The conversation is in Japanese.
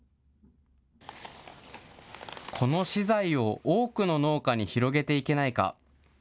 この資材を多くの農家に広げていけないか。